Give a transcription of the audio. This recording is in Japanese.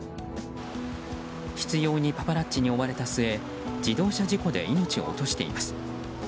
執拗にパパラッチに追われた末自動車事故で命を落としています。